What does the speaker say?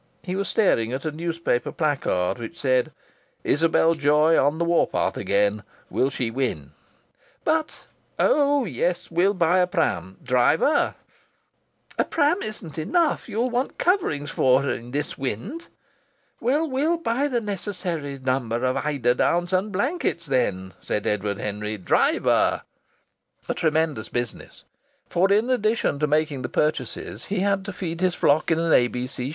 He was staring at a newspaper placard which said: "Isabel Joy on the war path again. Will she win?" "But " "Oh, yes. We'll buy a pram! Driver " "A pram isn't enough. You'll want coverings for her in this wind." "Well, we'll buy the necessary number of eider downs and blankets, then," said Edward Henry. "Driver " A tremendous business! For in addition to making the purchases he had to feed his flock in an A.B.C.